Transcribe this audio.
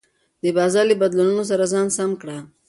د بازار له بدلونونو سره ځان سم کړه.